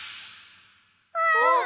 あっ。